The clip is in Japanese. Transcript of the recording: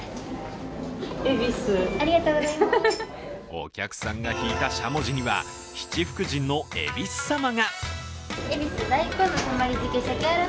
お客さんが引いたしゃもじには、七福神の恵比須様が。